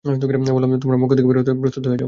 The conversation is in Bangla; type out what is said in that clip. বললাম, তোমরা মক্কা থেকে বের হতে প্রস্তুত হয়ে যাও।